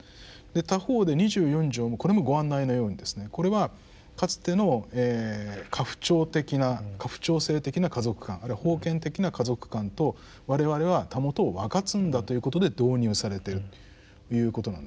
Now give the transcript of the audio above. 他方で二十四条もこれもご案内のようにですねこれはかつての家父長的な家父長制的な家族観あるいは封建的な家族観と我々はたもとを分かつんだということで導入されてるいうことなんですね。